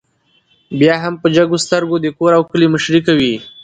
بيا هم په جګو سترګو د کور او کلي مشري کوي